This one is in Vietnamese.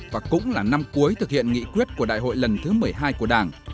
và cũng là năm cuối thực hiện nghị quyết của đại hội lần thứ một mươi hai của đảng